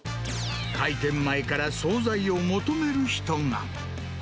開店前から総菜を求める人が。